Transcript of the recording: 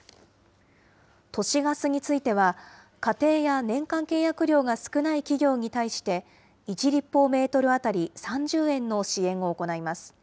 都市ガスについては、家庭や年間契約量が少ない企業に対して、１立方メートル当たり３０円の支援を行います。